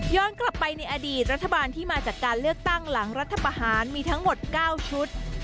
กลับไปในอดีตรัฐบาลที่มาจากการเลือกตั้งหลังรัฐประหารมีทั้งหมด๙ชุด